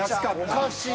おかしい。